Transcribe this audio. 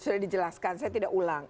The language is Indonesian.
sudah dijelaskan saya tidak ulang